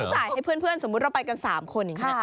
จ่ายให้เพื่อนสมมุติเราไปกัน๓คนอย่างนี้